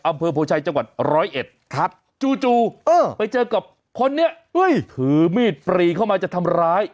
อำเภอโพชัยจังหวัดร้อยเอ็ดครับจู่ไปเจอกับคนนี้ถือมีดปรีเข้ามาจะทำร้าย